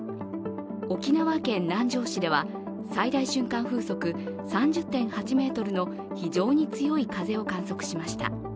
沖縄県南城市では最大瞬間風速３０．８メートルの非常に強い風を観測しました。